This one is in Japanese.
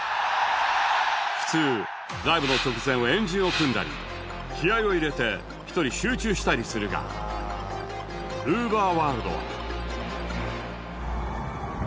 普通ライブの直前は円陣を組んだり気合を入れて一人集中したりするが ＵＶＥＲｗｏｒｌｄ は